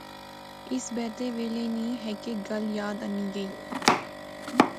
اس بیتے ویلے نی ہیک ہیک گل یاد اینی گئی